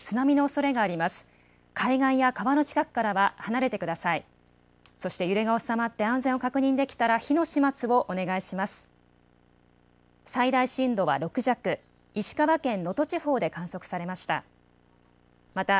そして揺れが収まって安全を確認できたら火の始末をお願いします。